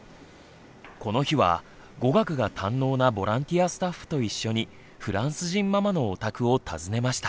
この日は語学が堪能なボランティアスタッフと一緒にフランス人ママのお宅を訪ねました。